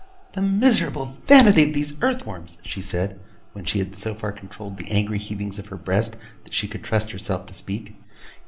'The miserable vanity of these earth worms!' she said, when she had so far controlled the angry heavings of her breast, that she could trust herself to speak.